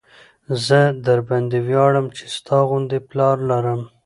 زه درباندې وياړم چې ستا غوندې پلار لرم.